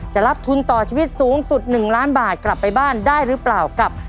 จะรับทุนต่อชีวิตสูงสุด๑ล้านบาทกลับไปบ้านได้หรือเปล่ากับ